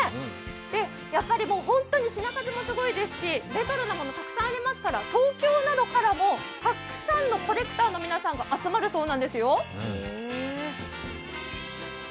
本当に品数もすごいですしレトロなものがたくさんありますから東京などからもたくさんのコレクターの皆さんが集まるそうなんですよ。